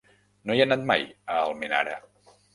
No he anat mai a Almenara.